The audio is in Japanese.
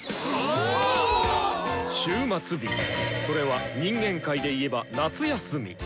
それは人間界で言えば夏休み。